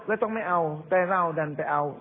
แล้วต้องไม่เอาแต่เราดันไปเอา